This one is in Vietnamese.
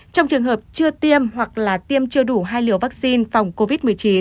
trong trường hợp chưa tiêm hoặc là tiêm chưa đủ hai liều vaccine phòng covid một mươi chín